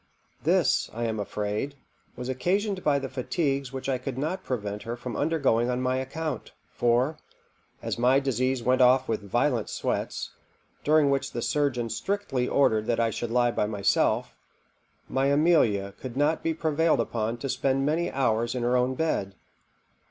This, I am afraid, was occasioned by the fatigues which I could not prevent her from undergoing on my account; for, as my disease went off with violent sweats, during which the surgeon strictly ordered that I should lie by myself, my Amelia could not be prevailed upon to spend many hours in her own bed.